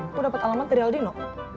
aku dapat alamat dari aldino